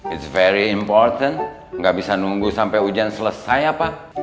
it's very important gak bisa nunggu sampai ujian selesai ya pak